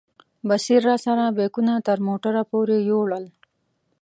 بصیر راسره بیکونه تر موټره پورې یوړل.